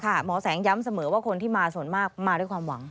หมอแสงย้ำเสมอว่าคนที่มาส่วนมากมาด้วยความหวัง